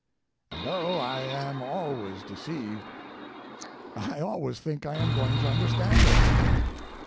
And, oh, I am always deceived—I always think I am going to understand it.